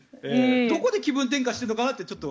どこで気分転換してるのかなって。